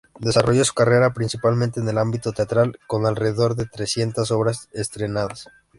Desarrollo su carrera principalmente en el ámbito teatral, con alrededor de trescientas obras estrenadas.